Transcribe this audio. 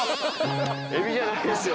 エビじゃないんですよ！